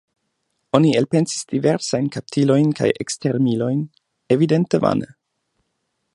Oni elpensis diversajn kaptilojn kaj ekstermilojn, evidente vane.